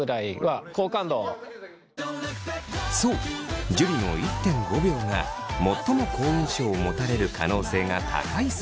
そう樹の１．５秒が最も好印象を持たれる可能性が高いそう。